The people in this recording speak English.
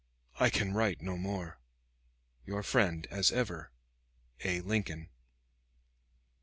I can write no more. Your friend as ever. A. LINCOLN.